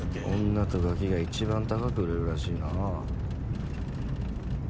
女とガキがいちばん高く売れるらしいな。